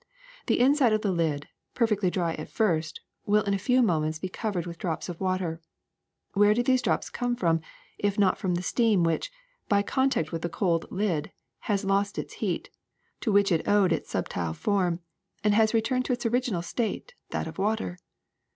The inside of the lid, perfectly dry at first, will in a few moments be covered with drops of water. Wliere do these drops come from if not from the steam which, by contact with the cold lid, has lost its heat, to which it owed its subtile form, and has returned to its original state, that of water